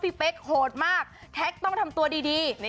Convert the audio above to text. เป๊กโหดมากแท็กต้องทำตัวดี